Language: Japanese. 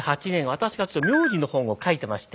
私が名字の本を書いてまして。